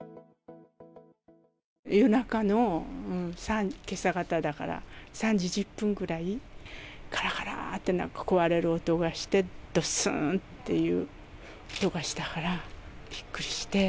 夜中のけさ方だから、３時１０分ぐらい、がらがらってなんか壊れる音がして、どすんという音がしたから、びっくりして。